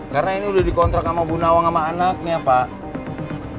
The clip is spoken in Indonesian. karena ini udah di kontrak sama bu nawang sama anak nih ya pak